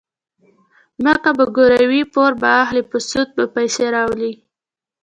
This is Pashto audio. ځمکه به ګروي، پور به اخلي، په سود به پیسې راولي.